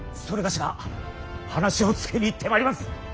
某が話をつけに行ってまいります！